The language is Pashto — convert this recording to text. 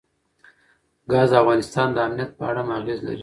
ګاز د افغانستان د امنیت په اړه هم اغېز لري.